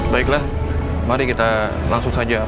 baiklah mari kita langsung saja